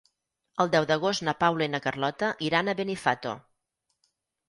El deu d'agost na Paula i na Carlota iran a Benifato.